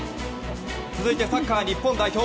続いて、サッカー日本代表。